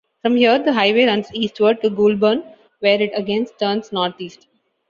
From here the highway runs eastward, to Goulburn where it again turns northeast.